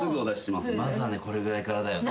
まずはこれぐらいからだよね。